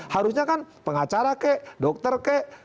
harusnya kan pengacara kek dokter kek